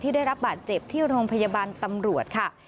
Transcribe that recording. ได้รับบาดเจ็บที่โรงพยาบาลตำรวจค่ะ